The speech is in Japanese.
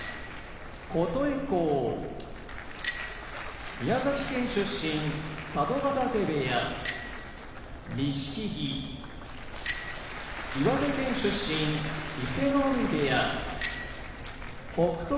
琴恵光宮崎県出身佐渡ヶ嶽部屋錦木岩手県出身伊勢ノ海部屋北勝